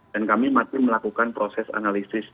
dan kami masih melakukan proses analisis